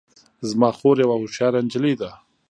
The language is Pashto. زما خور یوه هوښیاره نجلۍ ده